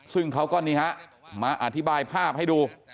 ซึ่งเขาก็นี่ฮะมาอธิบายภาพให้ดู